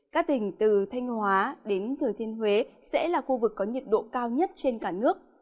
các tỉnh từ thanh hóa đến thừa thiên huế sẽ là khu vực có nhiệt độ cao nhất trên cả nước